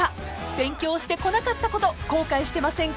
［勉強してこなかったこと後悔してませんか？］